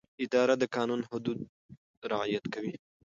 اداره د قانوني حدودو رعایت کوي.